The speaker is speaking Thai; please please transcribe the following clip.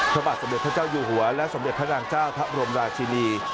พระบาทสมเด็จพระเจ้าอยู่หัวและสมเด็จพระนางเจ้าพระบรมราชินี